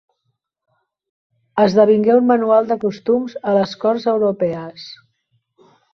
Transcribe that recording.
Esdevingué un manual de costums a les corts europees.